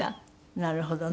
なるほどね。